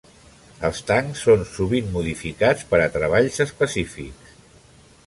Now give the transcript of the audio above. Els tancs són sovint modificats per a treballs específics.